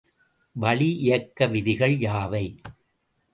வளி இயக்க விதிகள் யாவை?